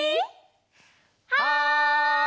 はい！